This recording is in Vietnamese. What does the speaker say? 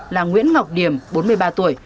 là nguyễn ngọc điểm bốn mươi ba tuổi